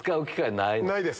ないです。